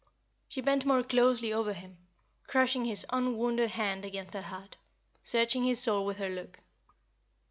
She bent more closely over him, crushing his un wounded hand against her heart searching his soul with her look.